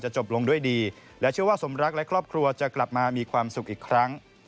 จบลงด้วยดีและเชื่อว่าสมรักและครอบครัวจะกลับมามีความสุขอีกครั้ง